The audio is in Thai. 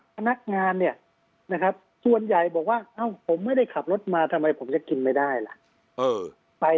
พนักงานเนี่ยนะครับส่วนใหญ่บอกว่าผมไม่ได้ขับรถมาทำไมผมจะกินไม่ได้ล่ะ